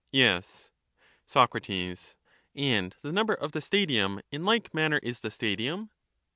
Yes. Soc. And the number of the stadium in like manner is the stadium